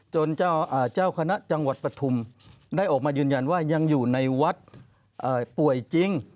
เจ้าคณะจังหวัดปฐุมได้ออกมายืนยันว่ายังอยู่ในวัดป่วยจริง